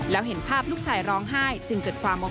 แล้วเห็นภาพลูกชายร้องไห้